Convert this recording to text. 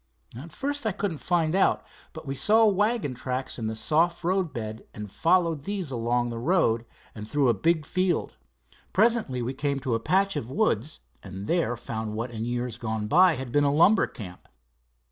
"At first I couldn't find out. But we saw wagon tracks in the soft roadbed and followed these along the road and through a big field. Presently we came to a patch of woods, and there found what in years gone by had been a lumber camp.